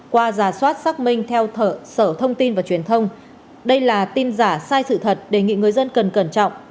qua giả soát xác minh theo sở thông tin và truyền thông đây là tin giả sai sự thật đề nghị người dân cần cẩn trọng